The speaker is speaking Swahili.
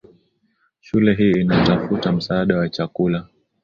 Shule hii inatafuta msaada wa chakula.